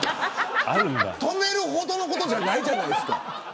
止めるほどのことじゃないじゃないですか。